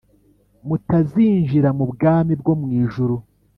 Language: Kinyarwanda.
mutazinjira mu bwami bwo mu ijuru.